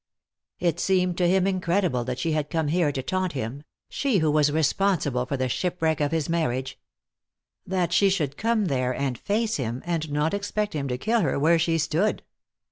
It seemed to him incredible that she had come there to taunt him, she who was responsible for the shipwreck of his marriage. That she could come there and face him, and not expect him to kill her where she stood.